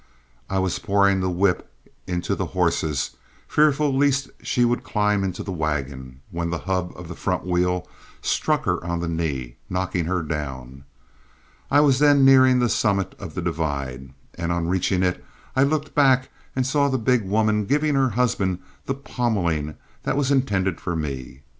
I was pouring the whip into the horses, fearful lest she would climb into the wagon, when the hub of the front wheel struck her on the knee, knocking her down. I was then nearing the summit of the divide, and on reaching it, I looked back and saw the big woman giving her husband the pommeling that was intended for me.